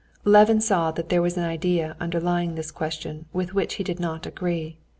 Levin saw that there was an idea underlying this question with which he did not agree.